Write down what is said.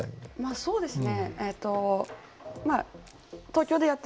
そうですね。